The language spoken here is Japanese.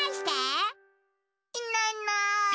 いないいないして。